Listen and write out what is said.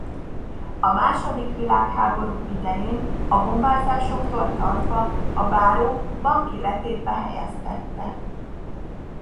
A második világháború idején a bombázásoktól tartva a báró banki letétbe helyeztette.